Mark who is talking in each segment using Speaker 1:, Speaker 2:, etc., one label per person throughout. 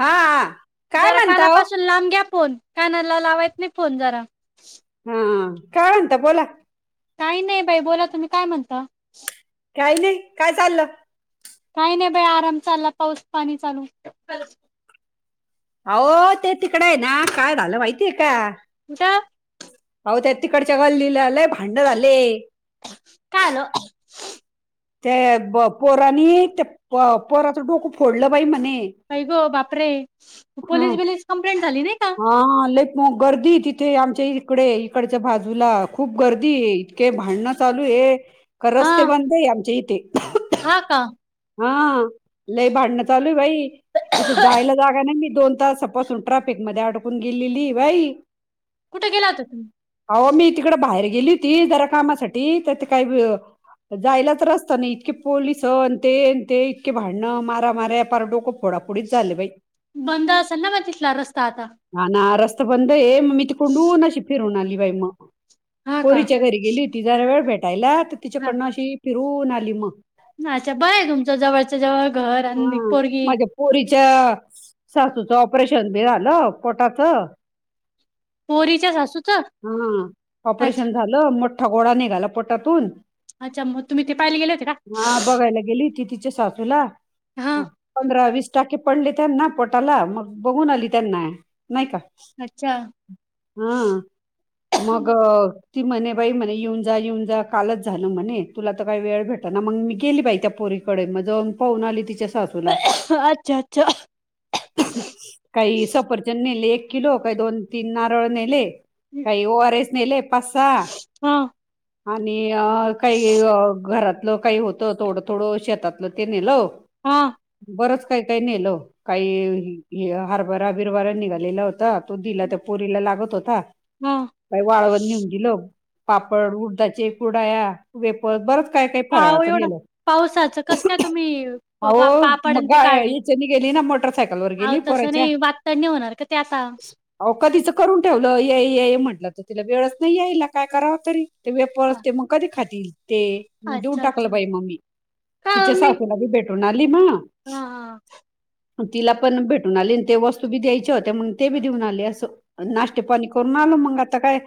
Speaker 1: हा काय
Speaker 2: जरा
Speaker 1: म्हणता हो
Speaker 2: कानापासून लांब घ्या फोन कानाला लावायच नाही फोन जरा
Speaker 1: हा काय म्हणता बोला
Speaker 2: काही नाही बाई बोला तुम्ही काय म्हणता
Speaker 1: काही नाही काय चाललं
Speaker 2: काही नाही बाय आराम चालला पाऊस पाणी चालू
Speaker 1: हो ते तिकडं आहे ना काय झालं माहितीय का अह त्या तिकडच्या गल्लीलालाय भांडण झाले
Speaker 2: काय आलं
Speaker 1: त्या ब पोरानी त्या पोराचं डोकं फोडलं बाई म्हणे
Speaker 2: बाप प
Speaker 1: हा
Speaker 2: ब
Speaker 1: हा ललेक मग गर्दी तिथे आमच्या इकडे इकडच भाज तुला खूप गर्दी इतके भांडणं चालू आहे का
Speaker 2: हा
Speaker 1: रस्ते बंद आहे आम जते
Speaker 2: हा का
Speaker 1: हा लय भांडणं चालूय बाई तिथं जायला जागा नाही मी दोन तास सपस सुंटरा मून गेली बाई
Speaker 2: कुठे गेला होता तुम्ही
Speaker 1: मी तिकड बाहेर गेली होती ज कामासाठी काय नाही इतके पोलीस अ ते अ ते इतके भांडणं मारा मार्या पार डोकं थोडाफोडीच झाले बाई
Speaker 2: बंद असेल ना म तिथला रस्ता आता
Speaker 1: ह ना रस्ता बंद ए म मितकडु ना शिपिर न अलीि वयईम
Speaker 2: हा का
Speaker 1: पोरीच्या घरी गेली ती जरा वेळ भेटायला तर
Speaker 2: हा.
Speaker 1: तिच्याकडनं अशी फिरवून
Speaker 2: अच्छा बर तुमच जवळच्या जवळ घर
Speaker 1: हा
Speaker 2: आणि पोरगी
Speaker 1: माझ्या पोरीच्या सासूचं ऑपरेशन बी झालं पोटाच
Speaker 2: ह
Speaker 1: हा
Speaker 2: अच्छा
Speaker 1: ऑपरेशन झालं मोठठा गोळा निघाला पोटातून
Speaker 2: अच्छा मग तुम्ही ते पाहायला गेले होते का
Speaker 1: हा बघायला गेली ति तिच्या सासूला
Speaker 2: हा
Speaker 1: प्र विस्टाकी पडलितेन ना पोटल मु बघून आली त्यांना नाही का
Speaker 2: अच्छा
Speaker 1: हा मग ती म्हणे बाई म्हणे येऊन जा येऊन जा कालच झालं म्हणे तुला तर काही वेळ भेट ना मग मी गेली बाई त्या पुोर डे आली तिच्या सासूला
Speaker 2: अच्छा अच्छा
Speaker 1: काही सफरचंद नेले एक किलो काही दोन तीन नारळ नेले काही ओआरएस नाहील पाचसा
Speaker 2: हा
Speaker 1: आणि अ काही घरात काही होतं थोडं थोडं शेतातलं ते नेलंव
Speaker 2: हा
Speaker 1: बरंच काही काही नेल काही हरबारा बिरबारा निघाल होत तो दिला त्या पोरीला लागत होता
Speaker 2: हा
Speaker 1: का वाळवण नेऊन दिलं पापड उडदाचे कुडाया वेपर बरच काय काही
Speaker 2: आहो
Speaker 1: फराळाचं
Speaker 2: एवढं
Speaker 1: नेलं
Speaker 2: पावसाचं कस काय तुम्ही प- पा-
Speaker 1: हो
Speaker 2: पापड आणि
Speaker 1: मग ग
Speaker 2: ते काढले
Speaker 1: याच्यानी गेली ना मोटरसायकल वर
Speaker 2: आहो
Speaker 1: गेली
Speaker 2: तसं
Speaker 1: पोरायच्या
Speaker 2: नाही वातडणी होणार का ते आता
Speaker 1: अ कधीचं करून ठेवलं ये म्हटलं तर तिला वेळच नाही याईला काय करावं तरी ते वेपर
Speaker 2: हा,
Speaker 1: असते मग कधी खातील ते मग देऊन
Speaker 2: अच्छा
Speaker 1: टाकलं
Speaker 2: अच्छा
Speaker 1: बाई मम्मी
Speaker 2: का
Speaker 1: तिच्या
Speaker 2: मी
Speaker 1: सावथेला बी भेट त भे
Speaker 2: हा हा
Speaker 1: द्यायच्या होत्या म ते बी देऊन आले अस नाष्टते पाणी करून आल मग आता काय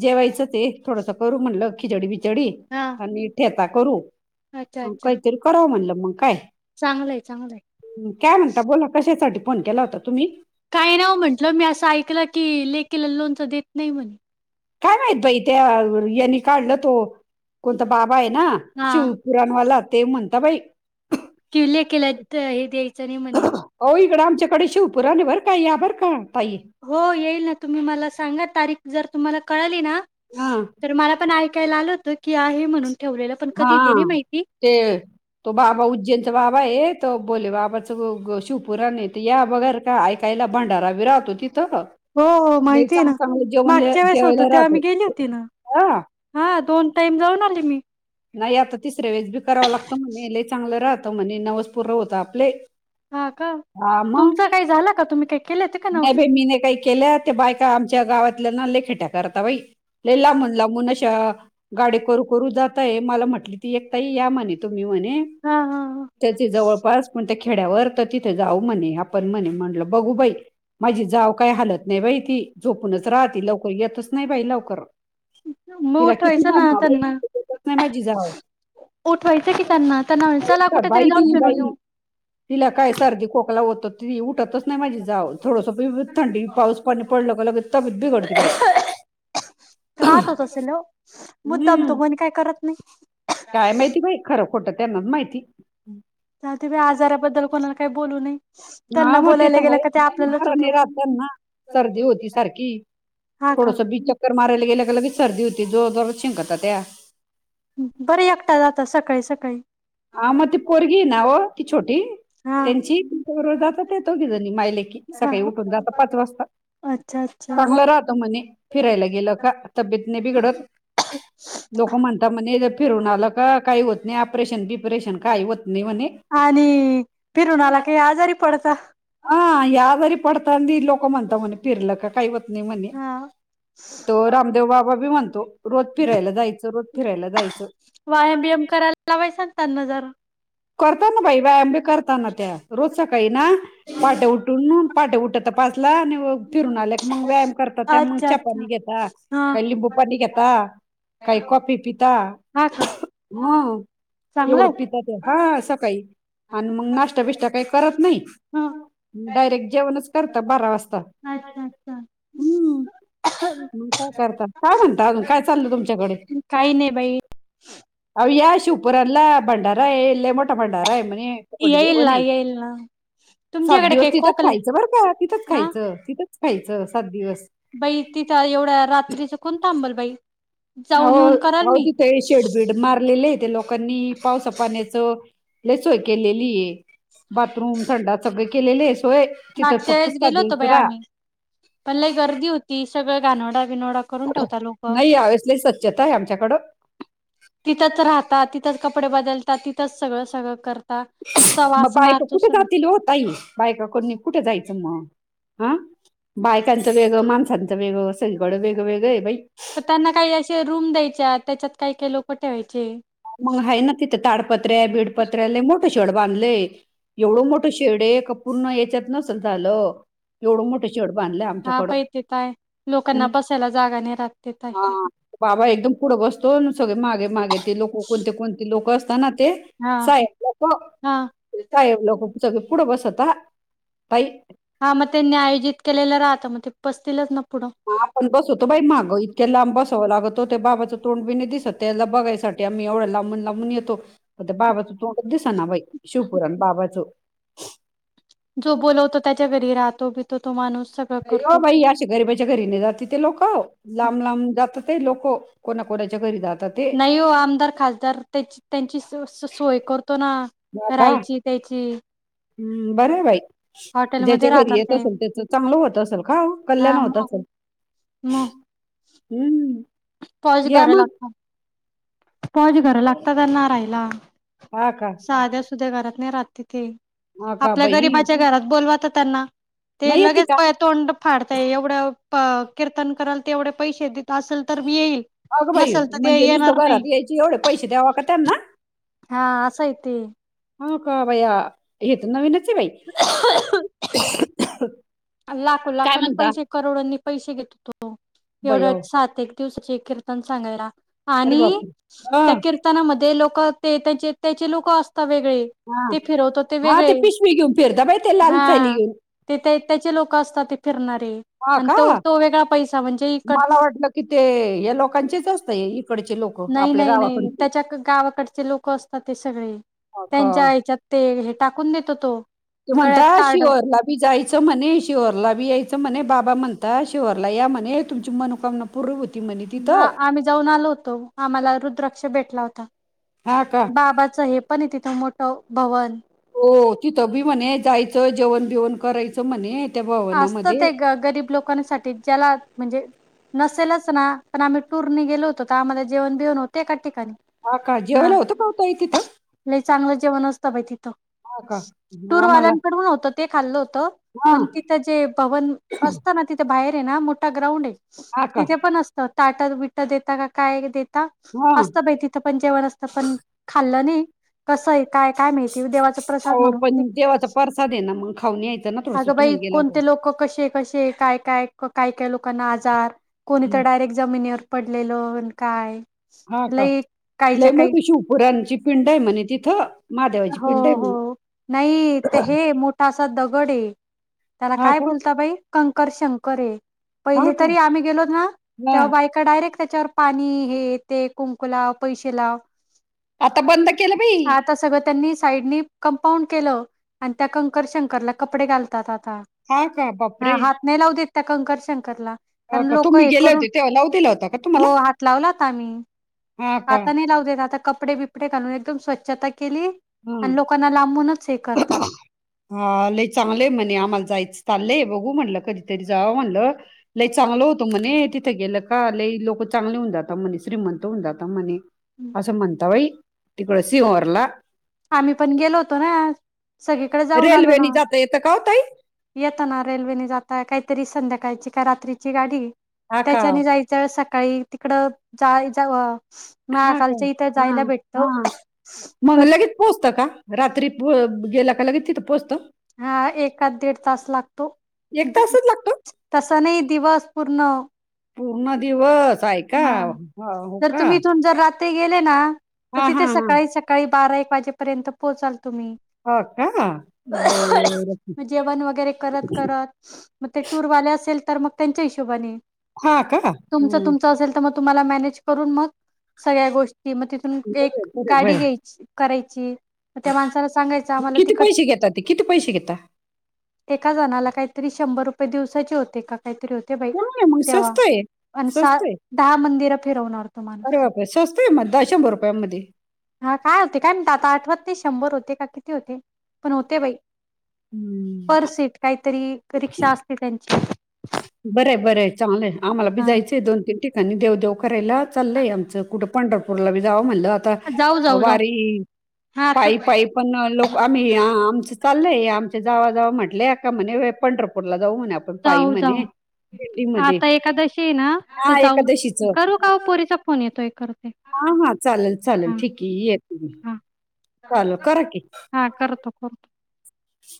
Speaker 1: जेवायचं ते थोडस करू म्हणलं खिचडी बिचडी
Speaker 2: हा
Speaker 1: आणि ठेता करू
Speaker 2: अच्छा अच्छा
Speaker 1: काहीतरी कव म्हणलं मग काय
Speaker 2: चांगलंय चांगलंय
Speaker 1: काय म्हणता बोला कश साठी पण केला होता तुम्ही
Speaker 2: काय ना म्हंटलं मी असं ऐकलं की लेकीला लोनच देत नाही म्हणे
Speaker 1: काय माहित बाई त्या यांनी काढला तो कोणता बाबा आहे ना
Speaker 2: हा
Speaker 1: शिवपुराणवाला ते म्हणता बाई
Speaker 2: किवले केला हे द्यायचं नाही म्हणे
Speaker 1: रार का यार का ताई
Speaker 2: हो येईल ना तुम्ही मला सांगा तारीख जर तुम्हाला कळाली ना
Speaker 1: हा
Speaker 2: तर मला पण ऐकायला आल होत की आहे म्हणून ठेवलेलं पण कधीेते नाही
Speaker 1: हा
Speaker 2: माहिती
Speaker 1: ते तो बाबा उज्जैनचा बाबा हे तो बोले बाबाच शिवपुराने या बगर का ऐकायला भंडाराभी राहतो तिथं
Speaker 2: हो हो
Speaker 1: नाही
Speaker 2: माहिती आहे ना
Speaker 1: चांगलं चांगलं जेवण
Speaker 2: मागच्या वेळेस होतो
Speaker 1: ठेवायला
Speaker 2: तेव्हा मी
Speaker 1: राहतो
Speaker 2: गेली होती ना
Speaker 1: ह
Speaker 2: हा दोन टाइम जाऊन आली मी
Speaker 1: नाही आता तिसऱ्या वेळेस बी करावा लागतो म्हणे ल चांगलं राहत म्हणे नवसपूर होत आपले
Speaker 2: हा का
Speaker 1: हा मग
Speaker 2: तुमच काही झालं का तुम्ही काही केले होते का
Speaker 1: नाही
Speaker 2: नवस
Speaker 1: बाई मी न काही केल्या ते बायका आमच्या गावातल्या नालेखेट्या करता बाई ल ला म्हून ला मुून अश गाडी करू करू जातय मला म्हटली ती एकताई या माणत तुम्ही म्हणे
Speaker 2: हा हा हा.
Speaker 1: त्या जवळपास पण त्या खेड्यावर तर तिथे जाऊ म्हणे आप पण म्हणे म्हणलं बघू बाई माझी जाव काही हलत नाही बाई ती झोपूनच राहते लवकर येतच नाही बाई लवकर
Speaker 2: मग
Speaker 1: तिला किती
Speaker 2: उठवायचं
Speaker 1: मन
Speaker 2: ना त्यांना
Speaker 1: नाही माझी जाव
Speaker 2: उठवायचं की त्यांना त्यांना अणसाला
Speaker 1: का
Speaker 2: कुठेेतरी
Speaker 1: बाई
Speaker 2: जाऊन
Speaker 1: ती
Speaker 2: फिरून
Speaker 1: बाई
Speaker 2: येऊ
Speaker 1: तिला काय सर्दी खोकला होत त उठतच नाही माझी जाव थोडंस थंडी पाऊस पाणी पडलं का लगे ब बी कडती बाई
Speaker 2: त्रास होत असेल मुद्दाम तो
Speaker 1: हम्म.
Speaker 2: म्हण काय करत नाही
Speaker 1: काय माहिती बाई खरं खोटं त्यांनाच माहिती
Speaker 2: तुही आजाराबद्दल कोणाला काही बोलू नय
Speaker 1: हा म ते तर आहे
Speaker 2: होत
Speaker 1: घराने राहत ना सर्दी होती सारखी
Speaker 2: हा का
Speaker 1: थोडस बीचक्कर माराला गेल्या क लगेच सर्दी होती जोर जोर शिंकत त्या
Speaker 2: बर एकटा जातात सकाळी सकाळी
Speaker 1: ह मग ती पोरगी ना हो ती छोटी
Speaker 2: हा
Speaker 1: त्यांची तच्या बरोबर जातात येतोघी जणी मायले
Speaker 2: हा
Speaker 1: सकाळी उठून जाता पाच वाजता
Speaker 2: अच्छा अच्छा
Speaker 1: चांगलं राहतो म्हणे फिरायला गेलं का तब्येतने बिघडत लोक म्हणताात म्हण फिरून आलं का काही होत नाही ऑपरेशन बी े का होत नाही म्ह
Speaker 2: आणि फिरून आला काही आजारी पडता
Speaker 1: हा यादारी पडताी लोक म्हणत म्हणे फिरलं का काही होत नाही म्हणे
Speaker 2: हा
Speaker 1: तर रामदेव बाबा बी म्हणतो रोज फिरायला जायचं रोज फिरायला जायचं
Speaker 2: व्यायाम व्याएम करायला लावायचांगताना जरा
Speaker 1: करतना बाई व्यायाम बी करतना त्या रोज सकाळी ना पाट्या उठून ठ उठत त पासला फिरून आल्या मग व्यायाम करत त्यामु
Speaker 2: अच्छा
Speaker 1: च्या
Speaker 2: अच्छा
Speaker 1: पाणी घेता
Speaker 2: हा
Speaker 1: काही लिंबू पाणी घेता काही कॉपी पिता
Speaker 2: हा का
Speaker 1: ह एवढं
Speaker 2: चांगलंय
Speaker 1: पिता त्या काही म नाश बष्ट काही करत नाही
Speaker 2: हा
Speaker 1: डायरेक्ट जेवणच करत बारा वाजता
Speaker 2: अच्छा अच्छा
Speaker 1: म काय करतात काय म्हणता अून काय चालल तुमच्याकडे
Speaker 2: काही नाही बाई
Speaker 1: अ्या शिवपूरला भंडार एल् मोट टमाडार आहेय म्हणे पकडी
Speaker 2: येईल
Speaker 1: जेऊन
Speaker 2: ना येईल ना
Speaker 1: सात
Speaker 2: तुमच्याकडे
Speaker 1: दिवस
Speaker 2: काही
Speaker 1: तिथंच
Speaker 2: खोकलंय
Speaker 1: खायचं बरं का तिथंच
Speaker 2: हा
Speaker 1: खायचं तिथंच खायचं सात दिवस
Speaker 2: बाई तिथं एवढ्या रात्रीचं कोणतांबल बाई
Speaker 1: अहो
Speaker 2: जाऊन येऊन कराल
Speaker 1: अहो
Speaker 2: मी
Speaker 1: तिथे शेडबीड मारलेले आहे ते लोकांनी पावसा पाण्याच सोय केलेली आहे बाथरूम संडा सग केलेले आहे सोय तिथ
Speaker 2: मागच्या
Speaker 1: फक्त
Speaker 2: वेळेस गेलो
Speaker 1: साध
Speaker 2: होतो बाई
Speaker 1: तरा
Speaker 2: आम्ही पण लई गर्दी होती सगळं घाणोडा करून ठेव लोक
Speaker 1: नाही यावेळेस लय स्वच्छता आहे आमच्याकडं
Speaker 2: [unintelligible] नुसता वास
Speaker 1: बायका
Speaker 2: मारतो
Speaker 1: कुठं
Speaker 2: सगळं
Speaker 1: जातील हो ताई? बायका कोणी - [unintelligible] [unintelligible]
Speaker 2: पण त्यांना काही असे रूम द्यायच्या, त्याच्यात काही-काही लोकं ठेवायचे.
Speaker 1: मग आहे ना तिथं ताडपत्र्या-बीडपत्र्या! मोठं शेड बांधलयं एवढं मोठं शेड हे, की पूर्ण येच्यात नसल झालं. एवढं मोठे शेड बांधलय
Speaker 2: हा बाई
Speaker 1: आमच्याकडं!
Speaker 2: ते तर आहे.
Speaker 1: हू
Speaker 2: लोकांना बसायला जागा नाही राहत ते तर
Speaker 1: हा
Speaker 2: आहे.
Speaker 1: हा. बाबा एकदम पुढं बसतो. अन सगळे मागे-मागे.
Speaker 2: हा
Speaker 1: [unintelligible]
Speaker 2: हा
Speaker 1: साहेब लोकं सगळे पुढं बसता ना?
Speaker 2: हा, मग त्यांनी आयोजित केलेलं राहतं मग ते पस्तीलच न?
Speaker 1: हा आपण बसवतो बाई मागो इतक्या लांब बसावं लागत [unintelligible] तो ते बाबाचं तोंड बि नई दिसत. त्याला बघायसाठी आम्ही एवढं लांबून-लांबून येतो. त्या बाबाचं तोडंच दिस ना बई, शिवपुराण बाबाचं.
Speaker 2: जो बोलवतो त्याच्या घरी राहतो-बितो तो माणूस. सगळं
Speaker 1: ओ
Speaker 2: करतो.
Speaker 1: बाई, अशा गरीिबाच्या घरी नई जाती. ते लोक लांब लांब जातात. ते लोकं कोणा कोणाच्या घरी जात -
Speaker 2: [unintelligible]
Speaker 1: हो का
Speaker 2: [unintelligible]
Speaker 1: हम्म, बरंय बाई.
Speaker 2: हॉटेलमध्ये
Speaker 1: ज्याच्या घरी
Speaker 2: राहतात
Speaker 1: येत
Speaker 2: ते
Speaker 1: असल, त्याचं चांगलं होत असल का हो? कल्याण होत असल.
Speaker 2: म पॉच
Speaker 1: या
Speaker 2: गर
Speaker 1: मग
Speaker 2: लागता. पॉज घर लागतात, त्याना राहिला
Speaker 1: हा का
Speaker 2: साध्या-सुध्या घरात नाही राहत तिथे.
Speaker 1: हा का
Speaker 2: आपल्या
Speaker 1: बाई
Speaker 2: गरीबाच्या घरात बोलवा त त्यांना... [unintelligible]
Speaker 1: नाही येते का
Speaker 2: तेवढे पैशे देत असल, तर मी येईल.
Speaker 1: अगं बाई!
Speaker 2: नसेल तर ते
Speaker 1: म्हणजे
Speaker 2: येणार
Speaker 1: नुसतं
Speaker 2: नाही
Speaker 1: घरात यायचे एवढे पैसे द्यावा का त्यांना?
Speaker 2: हा, असं हे ते.
Speaker 1: हो का बया? हे तर नवीनच आहे बई! बाई
Speaker 2: [unintelligible]
Speaker 1: अहो, अरे बाप हा
Speaker 2: [unintelligible]
Speaker 1: हा.
Speaker 2: [unintelligible]
Speaker 1: हा ते पिशवी घेऊन फिरता बाई ते लाल थैली घेऊन
Speaker 2: [unintelligible] लोक असतात फिरणारे
Speaker 1: हा
Speaker 2: आणि
Speaker 1: का
Speaker 2: तो वेगळा पैसा म्हणजे इकड
Speaker 1: मला वाटलं की ते [unintelligible] इकडचे लोक
Speaker 2: नाही,
Speaker 1: आपल्या
Speaker 2: नाही, नाही!
Speaker 1: गावाकडचे.
Speaker 2: त्याच्या गावाकडचे लोक असतात ते सगळे.
Speaker 1: हो का
Speaker 2: त्यांच्या याच्यात ते हे टाकून देतो तो.
Speaker 1: तू म्हणता
Speaker 2: गळ्यात कार्ड
Speaker 1: शिव्हरला बी जायचं म्हणे, शिव्हरला बी यायचं - ते म्हणे, बाबा म्हणता शिव्हरला या म्हणे, तुमची मनोकामना पूर्ण व्हिल.
Speaker 2: हा, आम्ही जाऊन आलो होतो. आम्हाला रुद्राक्ष भेटला होता.
Speaker 1: हा का?
Speaker 2: बाबांचं हे पण हे तिथं मोठं भवन.
Speaker 1: हो, तिथं बी म्हणे जायचं, जेवण-बिवण करायचं म्हणे. त्या
Speaker 2: असत
Speaker 1: भवनामध्ये.
Speaker 2: ते ग गरीब लोकांसाठी, ज्याला म्हणजे नसेलच ना? पण आम्ही - टूरने गेलो होतो आ्हाला जेवणेवन होते का
Speaker 1: हा का जेवायला होतं का ओ ताई तिथं?
Speaker 2: [unintelligible]
Speaker 1: हा का?
Speaker 2: [inaudible]
Speaker 1: मग आम्हाला
Speaker 2: टूरवाल्यांकडून होत. ते खाल्लं हो.
Speaker 1: हा
Speaker 2: पण तिथं जे भवन असतं ना, तिथं बाहेर आहे ना मोठा ग्राउंड हे.
Speaker 1: हा का?
Speaker 2: तिथे पण असत, ताट-बिट देता का काय देता?
Speaker 1: हा.
Speaker 2: असत बाई तिथं पण जेवण असत. [unintelligible] कसं आहे काय काय माहिती, देवाचा प्रसाद
Speaker 1: अहो
Speaker 2: म्हणून
Speaker 1: पण देवाचा प्रसाद आहे ना मग खाऊन यायचं ना थोडंसं
Speaker 2: अगं बाई
Speaker 1: तुम्ही गेला
Speaker 2: कोणते
Speaker 1: तर.
Speaker 2: लोक कसे कसे काय काय काय काय लोकांना आजार कोणी तर डायरेक्ट जमिनीवर पडलेलं आणि काय.
Speaker 1: हा का?
Speaker 2: लई
Speaker 1: लय
Speaker 2: काहीच्या काही
Speaker 1: मोठी शिवपुरांची पिंड आहे म्हणे तिथं महादेवाची
Speaker 2: हो
Speaker 1: पिंड आहे म्हणे.
Speaker 2: हो. नाही ते हे मोठा असा दगड आहे. त्याला
Speaker 1: हा
Speaker 2: काय
Speaker 1: का
Speaker 2: बोलत बाई कंकर शंकर आहे.
Speaker 1: हा
Speaker 2: पहिली
Speaker 1: का
Speaker 2: तरी आम्ही गेलोत ना
Speaker 1: हा
Speaker 2: तेव्हा बायका डायरेक्ट त्याच्यावर पाणी हे ते कुंकु लाव पैसे लाव.
Speaker 1: आता बंद केलं बाई
Speaker 2: हा आता सगळं त्यांनी साईडनी कंपाऊंड केलं आणि त्या कंकर शंकरला कपडे घालतात आता.
Speaker 1: का
Speaker 2: हा,
Speaker 1: बापरे
Speaker 2: हात नाही लाऊ देत त्या कंकर शंकरला.
Speaker 1: हा
Speaker 2: कारण
Speaker 1: का
Speaker 2: लोक
Speaker 1: तुम्ही
Speaker 2: हे
Speaker 1: गेले
Speaker 2: करून,
Speaker 1: होते तेव्हा लावू दिला होता का तुम्हाला
Speaker 2: हो हात लावलात आम्ही.
Speaker 1: हा का
Speaker 2: आता नाही लावू देत आता कपडे बीप डे घालून एकदम स्वच्छता केली
Speaker 1: हा
Speaker 2: आणि लोकांना लांबूनच हे करतात.
Speaker 1: हा, लय चांगलंय म्हणे आम्हाला चालले बघू म्हणलं कधीतरी जावं म्हणलं. लई चांगलं होतं म्हणे तिथे गेलं का लई लोक चांगली होऊ जात म्हणे श्रीमंत होन जाता म्हणे. असं म्हणता बाई. तिकडं सिंहरला
Speaker 2: आम्ही पण गेलो होतो ना. सगळीकडे जाऊन आलो
Speaker 1: रेल्वेने
Speaker 2: ना
Speaker 1: जाता येतं का हो ताई
Speaker 2: येत ना रेल्वेने जात. काहीतरी संध्याकाळ का रात्रीची गाडी
Speaker 1: हा का
Speaker 2: त्याच्याने जायचं सका सकाळी तिकड जा जा
Speaker 1: हा का
Speaker 2: मकालच्या इथं
Speaker 1: हा
Speaker 2: जायला भेट
Speaker 1: हा, मग लगेच पोहोचतं का? रात्री गेल्या का लगेच तिथं पोहोचतं?
Speaker 2: हा एकात दीड तास लागतो.
Speaker 1: एक तासच लागतो
Speaker 2: तसा नाही दिवस पूर्ण.
Speaker 1: पूर्ण दिवस आहे का? हो का?
Speaker 2: ते गेले ना तर
Speaker 1: हा हा
Speaker 2: तिथे
Speaker 1: हा
Speaker 2: सकाळी सकाळी बारा एक वाजेपर्यंत पोहोचाल तुम्ही.
Speaker 1: हा का बर
Speaker 2: म जेवण वगैरे करत करत म ते टूर वाले असेल तर मग त्यांच्या हिशोबाने.
Speaker 1: हा का
Speaker 2: तुमचं
Speaker 1: हम्म.
Speaker 2: तुमचं असेल तर मग तुम्हाला मॅनेज करून मग सगळ्या गोष्टी मग तिथून एक
Speaker 1: बरं, बरं,
Speaker 2: गाडी
Speaker 1: बरं.
Speaker 2: घ्यायची करायची. त्या माणसाला सांगायचं आम्हाला
Speaker 1: किती
Speaker 2: तिकट
Speaker 1: पैसे घेता ते किती पैसे घेता
Speaker 2: एका जणाला काहीतरी शंभर रुपये दिवसाचे होते का काहीतरी होते बाई.
Speaker 1: नाही मग
Speaker 2: तेव्हा
Speaker 1: स्वस्त आहे,
Speaker 2: आणि सा
Speaker 1: स्वस्त आहे.
Speaker 2: दहा मंदिरं फिरवणार तो
Speaker 1: अरे
Speaker 2: माणूस.
Speaker 1: बापरे! स्वत आहे म द शंभर रुप [unintelligible]
Speaker 2: हा, काय होते काय माहीत आता आठवत ते शंभर होते का किती होते पण होते बाई. पर
Speaker 1: हम्म.
Speaker 2: सीट काहीतरी रिक्षा असतील त्यांची.
Speaker 1: बरं बरं चांगलंय आम्हाला बी
Speaker 2: हा
Speaker 1: जायचं आहे दोन तीन ठिकाणी देव देव करायला चाललंय आमचं कुठं पंढरपूरला बी जावं म्हणलं आता
Speaker 2: जाऊ जाऊ जाऊ
Speaker 1: वारी
Speaker 2: हा आता
Speaker 1: पायी पाई पण लोक आम्ही आमचं चाललंय आहे आमच्या जावा जावा म्हटलंय ए का म्हणे पंढरपूरला जाऊ म्हणे आपण. पाई
Speaker 2: जाऊ जाऊ
Speaker 1: म्हणे. दिंडीमध्ये
Speaker 2: आता एखादशी ये ना तर
Speaker 1: हा
Speaker 2: जाऊ.
Speaker 1: एकादशीच
Speaker 2: करू का पोरीचा फोन येतोय करते.
Speaker 1: हा हा, चालेल चालेल
Speaker 2: हा
Speaker 1: ठीक आहे येते मी.
Speaker 2: हा
Speaker 1: चालल करा की.
Speaker 2: हा करतो करतो